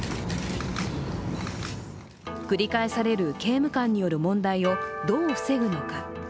繰り返される刑務官による問題をどう防ぐのか。